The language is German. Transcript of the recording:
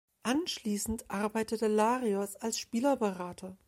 Anschließend arbeitete Larios als Spielerberater.